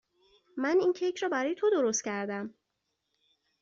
من این کیک را برای تو درست کردم.